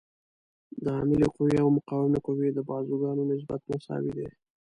د عاملې قوې او مقاومې قوې د بازوګانو نسبت مساوي دی.